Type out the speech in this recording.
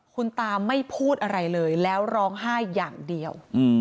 คุณตาไม่พูดอะไรเลยแล้วร้องไห้อย่างเดียว